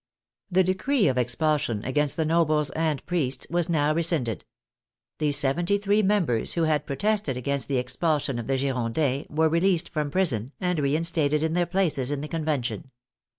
The decree of expulsion against the nobles and priests was now rescinded. The seventy three members who had protested against the expulsion of the Girondins were released from prison and reinstated in their places in the Convention.